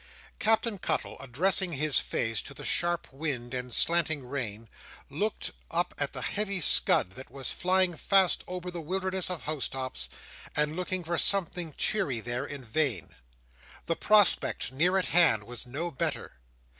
Captain Cuttle, addressing his face to the sharp wind and slanting rain, looked up at the heavy scud that was flying fast over the wilderness of house tops, and looked for something cheery there in vain. The prospect near at hand was no better.